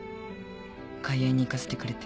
開瑛に行かせてくれて。